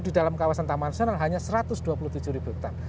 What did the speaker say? di dalam kawasan taman nasional hanya satu ratus dua puluh tujuh ribu hektare